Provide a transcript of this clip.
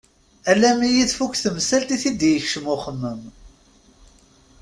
Alammi i tfuk temsalt i t-id-yekcem uxemmem.